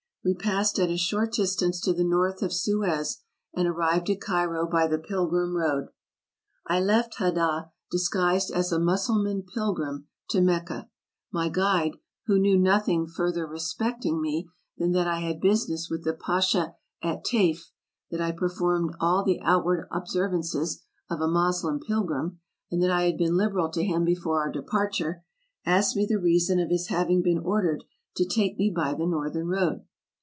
We passed at a short distance to the north of Suez, and arrived at Cairo by the pilgrim road. I left Hadda disguised as a Mussulman pilgrim to Mecca. My guide, who knew nothing further respecting me than that I had business with the pasha at Tayf, that I per formed all the outward observances of a Moslem pilgrim, and that I had been liberal to him before our departure, asked me the reason of his having been ordered to take me by the northern road.